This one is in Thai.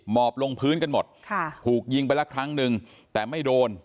หมอบลงพื้นกันหมดค่ะถูกยิงไปละครั้งนึงแต่ไม่โดน